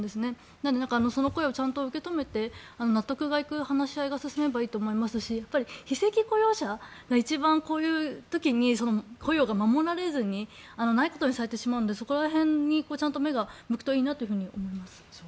なのでその声をちゃんと受け止めて納得がいく話し合いが進めばいいと思いますしやっぱり非正規雇用者が一番こういう時に雇用が守られずにないことにされてしまうのでそこら辺にちゃんと目が向くといいなと思います。